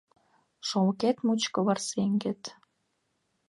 Шолыкет мучко варсеҥгет